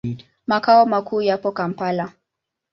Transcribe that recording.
Makao makuu yapo Kampala.